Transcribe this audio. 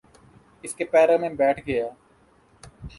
اس کے پیروں میں بیٹھ گیا۔